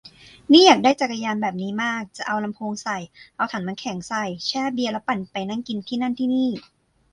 นี่อยากได้จักรยานแบบนี้มาก จะเอาลำโพงใส่ เอาถังน้ำแข็งใส่ แช่เบียร์ แล้วปั่นไปนั่งกินที่นั่นที่นี่